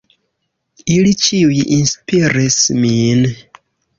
Ili ĉiuj inspiris min.